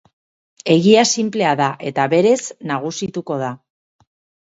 Egia sinplea da, eta berez nagusituko da.